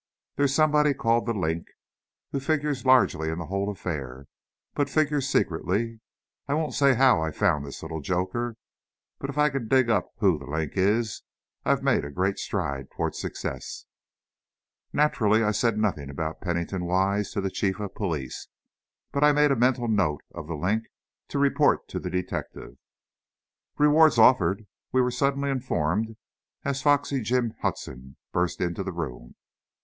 There's somebody called 'The Link,' who figures largely in the whole affair, but figures secretly. I won't say how I found this little joker, but if I can dig up who 'The Link' is, I've made a great stride toward success." Naturally, I said nothing about Pennington Wise to the Chief of Police, but I made a mental note of "The Link" to report to the detective. "Reward's offered," we were suddenly informed, as Foxy Jim Hudson burst into the room.